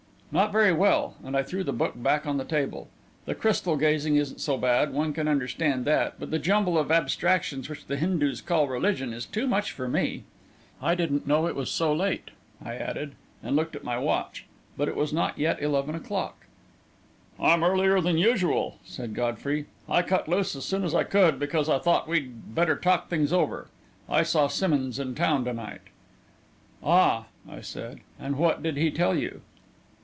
"Not very well," and I threw the book back on the table. "The crystal gazing isn't so bad one can understand that; but the jumble of abstractions which the Hindus call religion is too much for me. I didn't know it was so late," I added, and looked at my watch; but it was not yet eleven o'clock. "I'm earlier than usual," said Godfrey. "I cut loose as soon as I could, because I thought we'd better talk things over. I saw Simmonds in town to night." "Ah," I said; "and what did he tell you?"